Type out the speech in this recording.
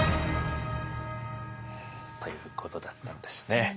ということだったんですね。